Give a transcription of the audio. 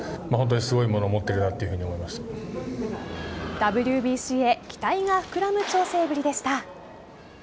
ＷＢＣへ期待が膨らむ調整ぶりでした。